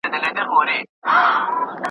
که زده کوونکي تمرین شریک کړي، تېروتنې نه پټېږي.